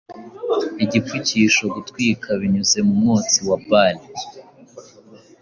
Igipfukishogutwika Binyuze mu mwotsi wa bale